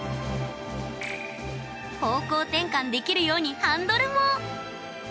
方向転換できるようにハンドルも。